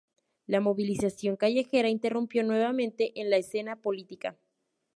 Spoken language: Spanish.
La movilización callejera irrumpió nuevamente en la escena política.